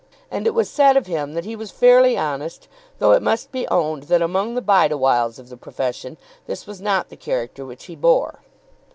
And it was said of him that he was fairly honest, though it must be owned that among the Bideawhiles of the profession this was not the character which he bore.